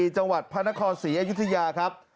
จังหวัดพระนครศรีอยุธยาครับ